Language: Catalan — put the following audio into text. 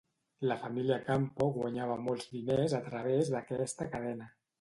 La família Campo guanyava molts diners a través d'aquesta cadena.